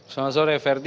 selamat sore ferdi